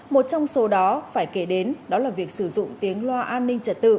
một trong số đó phải kể đến đó là việc sử dụng tiếng loa an ninh trật tự